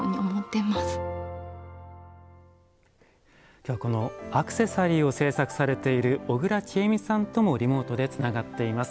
今日はアクセサリーを制作されている小倉智恵美さんともリモートでつながっています。